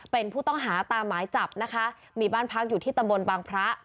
เป็นผู้ต้องหาตามหมายจับนะคะมีบ้านพักอยู่ที่ตำบลบางพระ